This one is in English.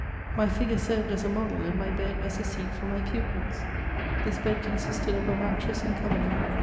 My figure served as a model, and my bed as a seat for my pupils. This bed consisted of a mattress and coverlid.